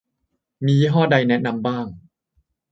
มียี่ห้อใดแนะนำบ้าง~